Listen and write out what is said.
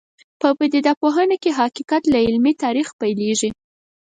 په پدیده پوهنه کې حقیقت له عملي تاریخ پیلېږي.